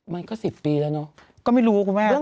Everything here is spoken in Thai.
มันก็๑๐ปีแล้วเนอะก็ไม่รู้ว่าคุณแม่